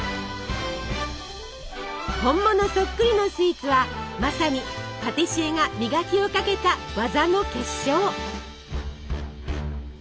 本物そっくりのスイーツはまさにパティシエが磨きをかけた技の結晶。